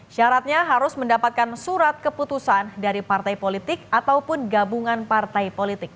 syaratnya harus mendapatkan surat keputusan dari partai politik ataupun gabungan partai politik